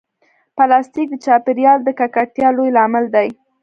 پلاستيک د چاپېریال د ککړتیا لوی لامل دی.